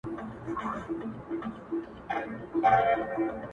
• مړی نه وو یوه لویه هنګامه وه ,